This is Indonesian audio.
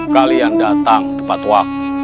kalian datang tepat waktu